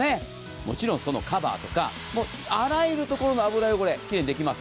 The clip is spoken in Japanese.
もちろんそのカバーとかあらゆるところの油汚れきれいにできます。